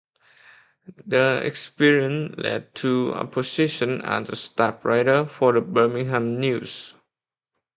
That experience led to a position as a staff writer for the "Birmingham News".